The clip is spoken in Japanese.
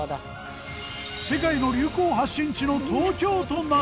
世界の流行発信地の東京都なのか？